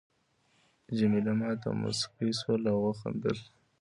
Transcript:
جميله ما ته مسکی شول او وخندل.